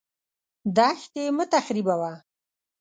دښتې مه تخریبوه.